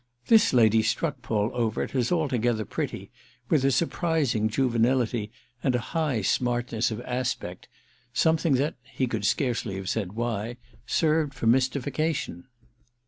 This lady struck Paul Overt as altogether pretty, with a surprising juvenility and a high smartness of aspect, something that—he could scarcely have said why—served for mystification.